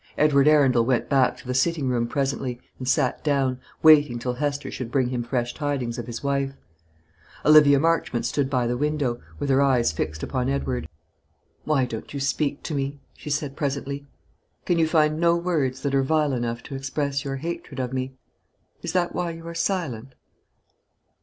Edward Arundel went back to the sitting room presently, and sat down, waiting till Hester should bring him fresh tidings of his wife. Olivia Marchmont stood by the window, with her eyes fixed upon Edward. "Why don't you speak to me?" she said presently. "Can you find no words that are vile enough to express your hatred of me? Is that why you are silent?"